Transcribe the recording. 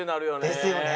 ですよね。